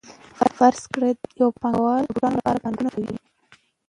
فرض کړئ یو پانګوال د بوټانو لپاره پانګونه کوي